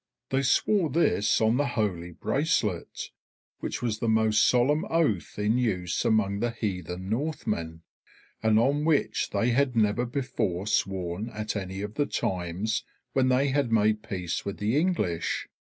They swore this on the holy bracelet, which was the most solemn oath in use among the heathen Northmen, and on which they had never before sworn at any of the times when they had made peace with the English.